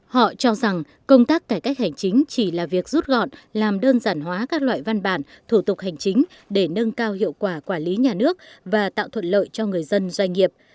họ cho rằng công tác cải cách hành chính chỉ là việc rút gọn làm đơn giản hóa các loại văn bản thủ tục hành chính để nâng cao hiệu quả quản lý nhà nước và tạo thuận lợi cho người dân doanh nghiệp